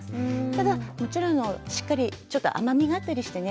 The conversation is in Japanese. ただもちろんしっかりちょっと甘みがあったりしてね